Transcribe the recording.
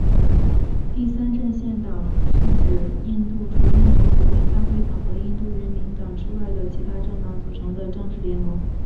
第三阵线指印度除印度国民大会党和印度人民党之外的其它政党组成的政治联盟。